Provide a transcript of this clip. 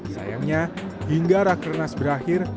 sayangnya hingga rakhrenas berakhir